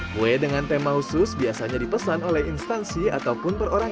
kue dengan tema khusus biasanya dipesan oleh instansi ataupun perorangan